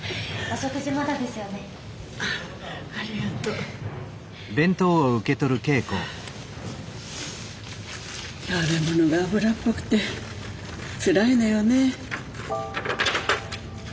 食べ物が脂っこくてつらいのよね。